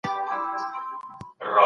ژوند په مانا سره همېشه پاته کېږي.